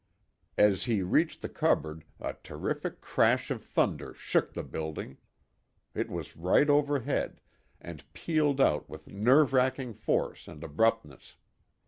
As he reached the cupboard a terrific crash of thunder shook the building. It was right overhead, and pealed out with nerve racking force and abruptness.